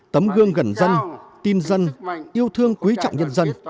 tấm gương gần dân tin dân yêu thương quý trọng nhân dân